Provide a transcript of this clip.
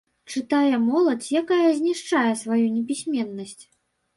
Чытае моладзь, якая знішчае сваю непісьменнасць.